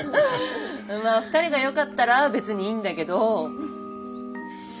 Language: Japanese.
まあ２人がよかったら別にいいんだけど。